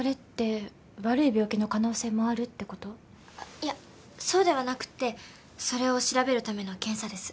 いやそうではなくってそれを調べるための検査です。